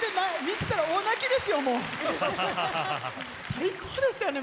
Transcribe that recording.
最高でしたよね